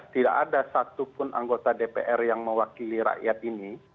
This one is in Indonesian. tidak ada satupun anggota dpr yang mewakili rakyat ini